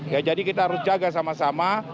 ya jadi kita harus jaga sama sama